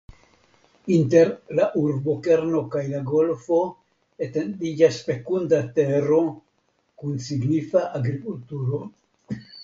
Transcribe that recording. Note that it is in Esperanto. Inter la urbokerno kaj la golfo etendiĝas fekunda tero kun signifa agrikulturo.